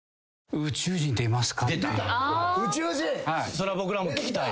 それは僕らも聞きたい。